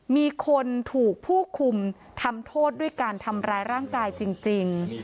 มีคนถูกผู้คุมทำโทษด้วยการทำร้ายร่างกายจริง